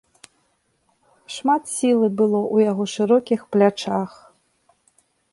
Шмат сілы было ў яго шырокіх плячах.